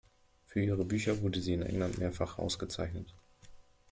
Für ihre Bücher wurde sie in England mehrfach ausgezeichnet.